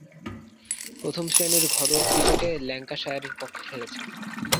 প্রথম-শ্রেণীর ঘরোয়া ক্রিকেটে ল্যাঙ্কাশায়ারের পক্ষে খেলেছেন।